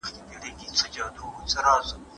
بخښنه غوښتل د کمزورۍ نښه نه ده.